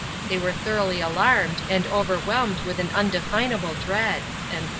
They were thoroughly alarmed, and overwhelmed with an undefinable dread."